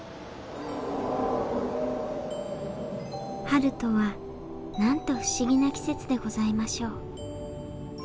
春とはなんと不思議な季節でございましょう。